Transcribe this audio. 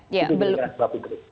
itu yang dikira sebab itu